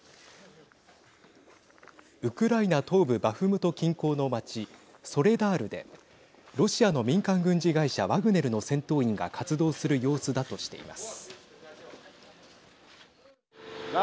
ウクライナ東部バフムト近郊の町ソレダールでロシアの民間軍事会社ワグネルの戦闘員が活動する様子だとしています。